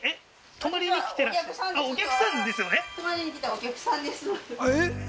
泊まりにきたお客さんですえっ？